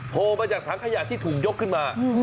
โพลมาจากถังขยะที่ถูกยกขึ้นมา